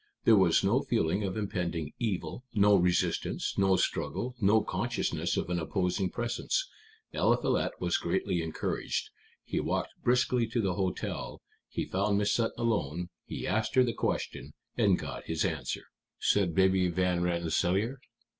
There was no feeling of impending evil, no resistance, no struggle, no consciousness of an opposing presence. Eliphalet was greatly encouraged. He walked briskly to the hotel; he found Miss Sutton alone. He asked her the question, and got his answer." "She accepted him, of course?" said Baby Van Rensselaer.